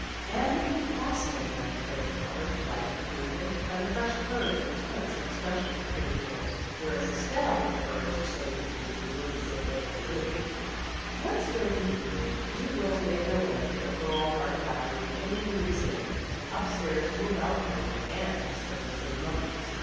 Anne had been fascinated by the play of color, light, and movement, by the fresh curves and tints and expressions of pretty girls, whereas Estelle preferred to study the people who looked as if they had " lived." Once during the evening, the two girls made their way through the thronged art gallery into the museum, and up stairs to a balcony where Anne had discovered some mummies.